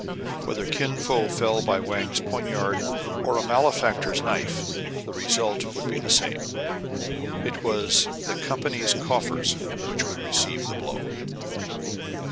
Whether Kin Fo fell by Wang*s poignard or a malefactor's knife, the result would be the same : it was the company's coffers which would receive the blow.